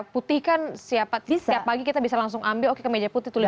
putih kan siap pagi kita bisa langsung ambil oke ke meja putih tuh